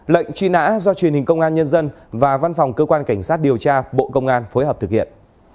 lệnh truy nã do truyền hình công an nhân dân và văn phòng cơ quan cảnh sát điều tra bộ công an phối hợp thực hiện